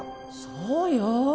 そうよ。